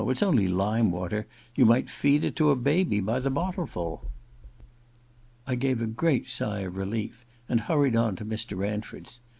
It's only lime water. You might feed it to a baby by the bottleful.' I gave a great sigh of relief and hurried on to Mr. Ranford's.